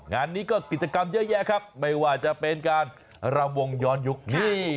งานนี้ก็กิจกรรมเยอะแยะครับไม่ว่าจะเป็นการรำวงย้อนยุคนี่